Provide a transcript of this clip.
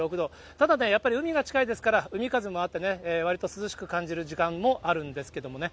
ただね、やっぱり海が近いですから、海風もあって、わりと涼しく感じる時間もあるんですけれどもね。